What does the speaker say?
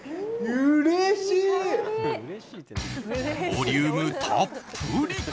ボリュームたっぷり！